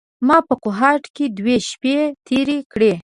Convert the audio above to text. ما په کوهاټ کې دوې شپې تېرې کړې.